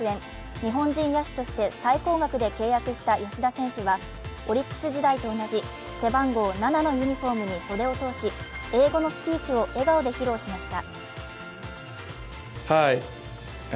日本人野手として最高額で契約した吉田選手はオリックス時代と同じ背番号７のユニフォームに袖を通し英語のスピーチを笑顔で披露しました